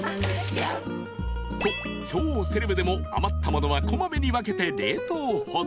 ［と超セレブでも余った物は小まめに分けて冷凍保存］